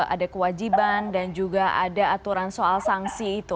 ada kewajiban dan juga ada aturan soal sanksi itu